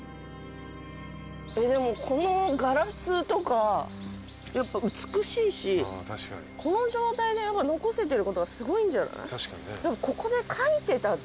でもこのガラスとかやっぱ美しいしこの状態で残せてることはすごいんじゃない？ああ！ですね。